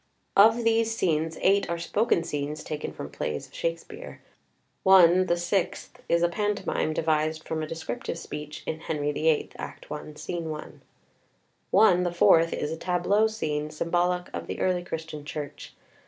} SEE APPENDIX: Pages 159 161. Of these scenes eight are spoken scenes taken from plays of Shakespeare; one (the sixth) is a pantomime devised from a descriptive speech in " Henry the Eighth," Act I, Scene I; one (the fourth) is a tableau scene symbolic of the early Christian Church.